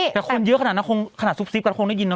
แต่คนเยอะขนาดนั้นคงขนาดซุบซิบกันคงได้ยินนะ